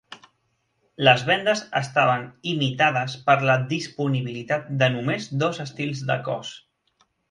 Les vendes estaven imitades per la disponibilitat de només dos estils de cos.